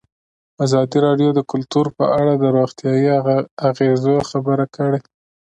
ازادي راډیو د کلتور په اړه د روغتیایي اغېزو خبره کړې.